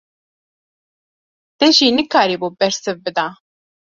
Te jî nikaribû bersiv bida!